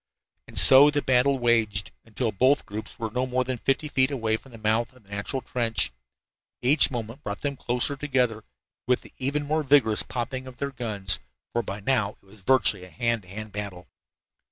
And so the battle waged, until both groups were no more than fifty feet away from the mouth of the natural trench. Each moment brought them closer together, with the even more vigorous popping of their guns, for by now it was virtually a hand to hand battle.